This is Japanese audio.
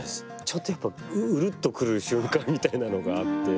ちょっとやっぱりウルっと来る瞬間みたいなのがあって。